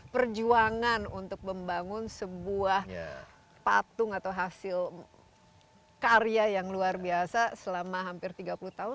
perjuangan untuk membangun sebuah patung atau hasil karya yang luar biasa selama hampir tiga puluh tahun